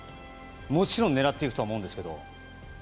もちろん狙っていくとは思いますが。